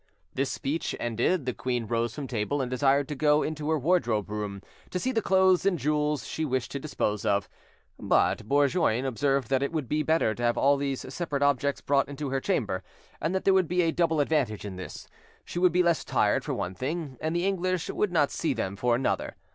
This speech ended, the queen rose from table, and desired to go into her wardrobe room, to see the clothes and jewels she wished to dispose of; but Bourgoin observed that it would be better to have all these separate objects brought into her chamber; that there would be a double advantage in this, she would be less tired for one thing, and the English would not see them for another.